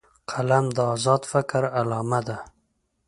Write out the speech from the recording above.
قلم د آزاد فکر علامه ده